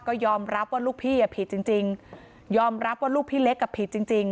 ก็ยอมรับว่าลูกพี่ผิดจริงยอมรับว่าลูกพี่เล็กอ่ะผิดจริงจริง